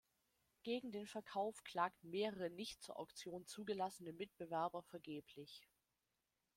Gegen den Verkauf klagten mehrere nicht zur Auktion zugelassene Mitbewerber vergeblich.